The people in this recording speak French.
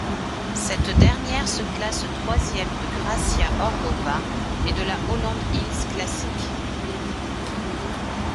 Cette dernière se classe troisième de Gracia Orlova et de la Holland Hills Classic.